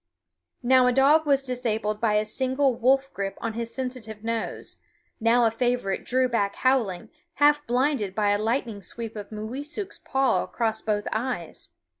Now a dog was disabled by a single wolf grip on his sensitive nose; now a favorite drew back howling, half blinded by a lightning sweep of Mooweesuk's paw across both eyes.